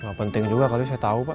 gak penting juga kali saya tahu pak